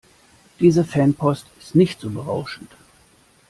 Diese Fanpost ist nicht so berauschend.